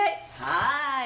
はい！